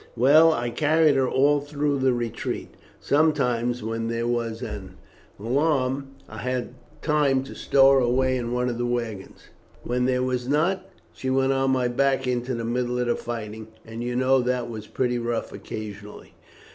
Well, I carried her all through the retreat. Sometimes, when there was an alarm, I had time to stow her away in one of the waggons; when there was not, she went on my back into the middle of the fighting, and you know that was pretty rough occasionally.